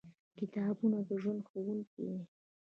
کتابونه د ژوند ښوونکي دي.